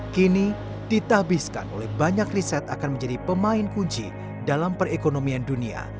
kini ditabiskan oleh banyak riset akan menjadi pemain kunci dalam perekonomian dunia